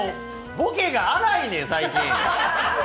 ボケが粗いねん、最近！